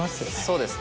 そうです。